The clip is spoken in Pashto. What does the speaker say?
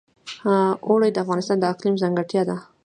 اوړي د افغانستان د اقلیم ځانګړتیا ده.